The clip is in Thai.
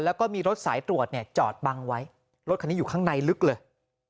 แล้วก็มีรถสายตรวจเนี่ยจอดบังไว้รถคันนี้อยู่ข้างในลึกเลย